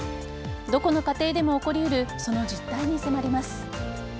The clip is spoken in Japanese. どこの家庭でも起こりうるその実態に迫ります。